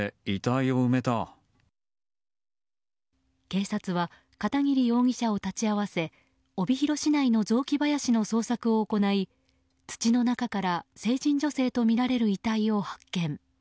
警察は片桐容疑者を立ち会わせ帯広市内の雑木林の捜索を行い土の中から成人女性とみられる遺体を発見。